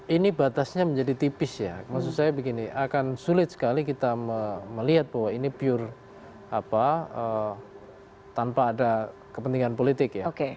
ini batasnya menjadi tipis ya maksud saya begini akan sulit sekali kita melihat bahwa ini pure tanpa ada kepentingan politik ya